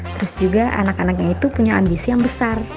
terus juga anak anaknya itu punya ambisi yang besar